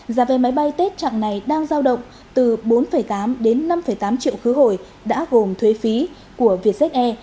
giá vé máy bay tết chặng này đang giao động từ bốn tám đến năm tám triệu khứ hồi đã gồm thuế phí của vietjet air